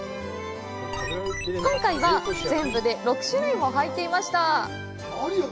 今回は全部で６種類も入ってました。